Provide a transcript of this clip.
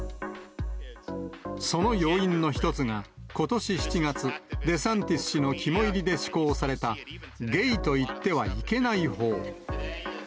その要因の一つが、ことし７月、デサンティス氏の肝煎りで施行された、ゲイと言ってはいけない法。